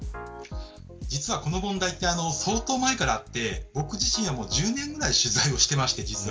実はこの問題は相当前からあって僕自身も１０年ぐらい取材をしています。